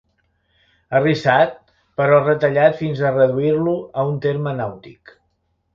Arrissat, però retallat fins a reduir-lo a un terme nàutic.